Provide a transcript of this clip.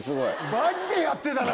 マジでやってたな